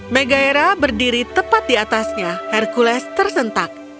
megaira berdiri tepat di atasnya hercules tersentak